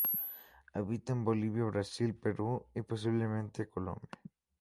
Habita en Bolivia, Brasil, Perú y posiblemente Colombia.